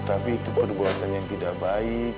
tapi itu perbuatan yang tidak baik